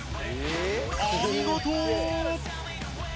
お見事ー！